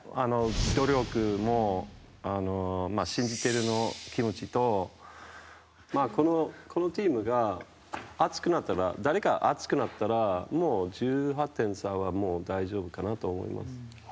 努力も信じてるの気持ちとこのチームが誰か熱くなったら１８点差はもう大丈夫かなと思います。